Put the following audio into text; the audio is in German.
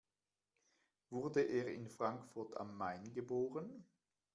Wurde er in Frankfurt am Main geboren?